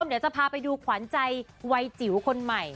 เดี๋ยวจะพาไปดูขวัญใจวัยจิ๋วคนใหม่